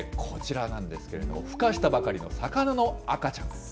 こちらなんですけれども、ふ化したばかりの魚の赤ちゃん。